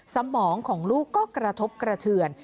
สมองของลูกก็กระทบกระเทือน